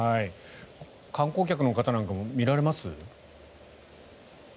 観光客の方なんかも見られます？